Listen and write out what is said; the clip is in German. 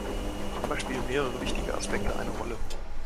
Dabei spielen mehrere wichtige Aspekte eine Rolle.